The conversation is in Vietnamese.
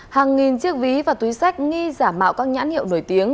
hàng nghìn chiếc ví và túi sách nghi giả mạo các nhãn hiệu nổi tiếng